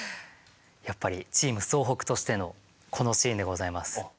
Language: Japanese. やっぱりチーム総北としてのこのシーンでございます。